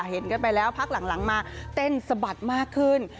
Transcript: เห็นกันไปแล้วพักหลังมาเต้นสะบัดมากขึ้น